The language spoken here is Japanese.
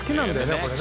これね。